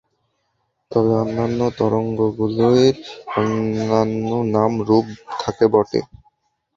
তবে অন্যান্য তরঙ্গগুলির অন্যান্য নাম-রূপ থাকে বটে।